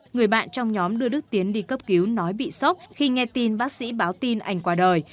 người bạn trong nhóm đưa đức tiến đi cấp cứu nói bị sốc khi nghe tin bác sĩ báo tin anh qua đời